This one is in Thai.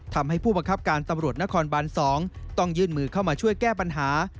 ทำให้ผู้บังคับการตำรวจนครบาน๒ต้องยื่นมือเข้ามาช่วยแก้ปัญหา